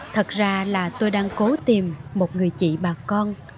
thật ra là tôi đang cố tìm một người chị bà con